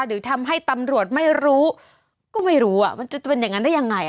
หรือทำให้ตำรวจไม่รู้ก็ไม่รู้มันจะเป็นอย่างนั้นได้ยังไง